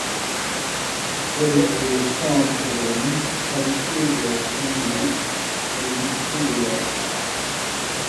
Elle est le centre de la municipalité de Hsenwi, dans le district de Lashio.